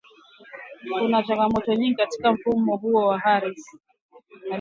Kuna changamoto nyingi katika mfumo huo Harris alisema